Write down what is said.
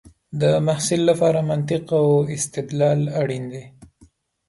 د محصل لپاره منطق او استدلال اړین دی.